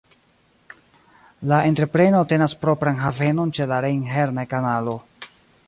La entrepreno tenas propran havenon ĉe la Rejn-Herne-Kanalo.